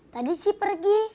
tadi sih pergi